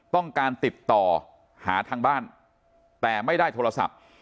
ต้องการติดต่อหาทางบ้านแต่ไม่ได้โทรศัพท์